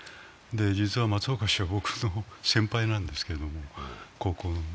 実は松岡氏は僕の先輩なんですけれども、高校の。